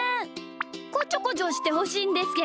こちょこちょしてほしいんですけど。